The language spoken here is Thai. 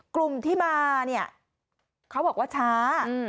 กลุ่มที่มาเนี่ยเขาบอกว่าช้า